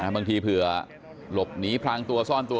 บางทีเผื่อหลบหนีพรางตัวซ่อนตัว